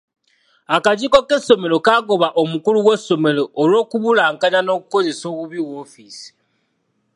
Akakiiko k'essomero kagoba omukulu w'essomero olw'okubulankanya n'okukozesa obubi woofiisi.